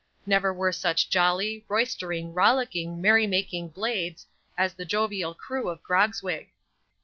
Never were such jolly, roystering, rollicking, merry making blades, as the jovial crew of Grogzwig.